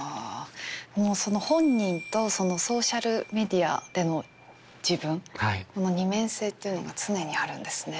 もうその本人とそのソーシャルメディアでの自分この二面性っていうのが常にあるんですね。